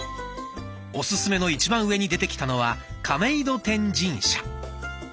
おすすめの一番上に出てきたのは「亀戸天神社」。